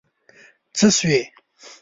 څه شوي؟